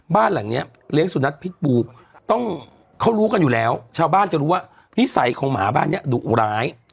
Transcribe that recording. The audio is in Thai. บ้านหลังนี้เลี้ยงสุนัขพิษบูต้องเขารู้กันอยู่แล้วชาวบ้านจะรู้ว่านิสัยของหมาบ้านนี้ดุร้าย